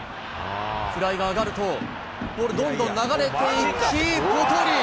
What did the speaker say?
フライが上がると、ボールがどんどん流れていき、ぽとり。